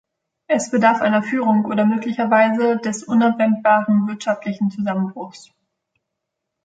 Es bedarf einer Führung oder möglicherweise des unabwendbaren wirtschaftlichen Zusammenbruchs.